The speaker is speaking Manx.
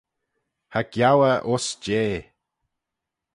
Cha geau eh uss jeh.